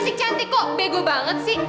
masih cantik kok bego banget sih